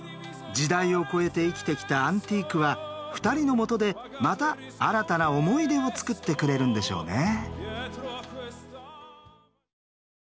時代を超えて生きてきたアンティークは２人のもとでまた新たな思い出を作ってくれるんでしょうね。